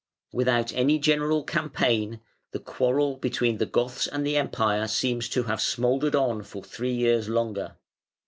] Without any general campaign, the quarrel between the Goths and the Empire seems to have smouldered on for three years longer.